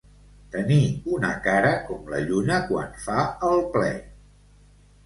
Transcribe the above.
Tenir una cara com la lluna quan fa el ple.